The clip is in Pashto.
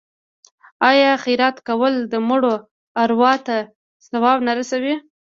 آیا خیرات کول د مړو ارواو ته ثواب نه رسوي؟